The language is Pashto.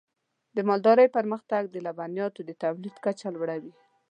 د مالدارۍ پرمختګ د لبنیاتو د تولید کچه لوړوي.